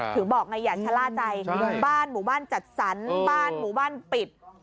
ถือบอกไงอย่าชะล่าใจหมู่บ้านจัดสรรหมู่บ้านปิด